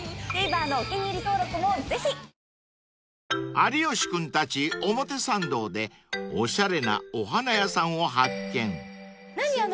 ［有吉君たち表参道でおしゃれなお花屋さんを発見］